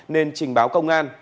nên trình báo công an